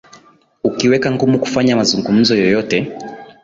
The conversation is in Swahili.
ukiweka ngumu kufanya mazungumzo yoyote